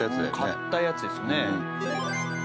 買ったやつですよね。